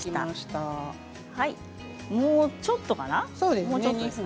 もうちょっとかな？